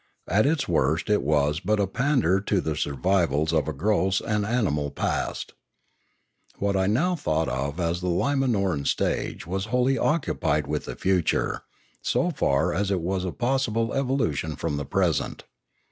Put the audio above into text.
At its worst it was but a pander to the survivals of a gross and ani mal past. What I now thought of as the Limanoran stage was wholly occupied with the future, so far as it was a possible evolution from the present.